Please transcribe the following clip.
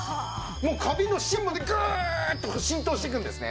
もうカビの芯までグーッと浸透してくんですね。